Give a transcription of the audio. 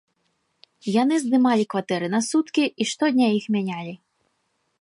Яны здымалі кватэры на суткі і штодня іх мянялі.